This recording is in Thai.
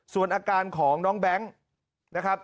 ส่วนอาการของน้องแบงค์นะครับ